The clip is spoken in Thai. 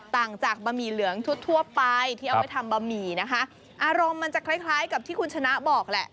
ต่างจากบะหมี่เหลืองทั่วทั่วไปที่เอาไว้ทำบะหมี่นะคะอารมณ์มันจะคล้ายคล้ายกับที่คุณชนะบอกแหละ